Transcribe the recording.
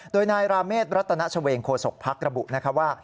โดยนายราเมฆรัตนชะเวงโคสกพักฯระบุว่า